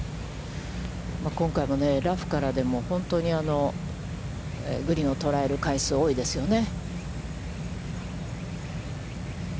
今回もラフからでも、本当にグリーンを捉える回数が多いですよね。